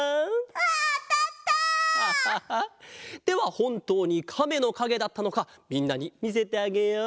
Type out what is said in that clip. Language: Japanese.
アハハではほんとうにカメのかげだったのかみんなにみせてあげよう。